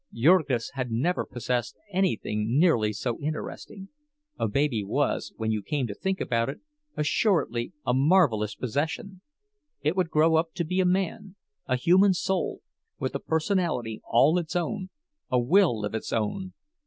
Jurgis had never possessed anything nearly so interesting—a baby was, when you came to think about it, assuredly a marvelous possession. It would grow up to be a man, a human soul, with a personality all its own, a will of its own!